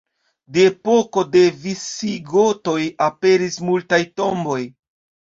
De epoko de visigotoj aperis multaj tomboj.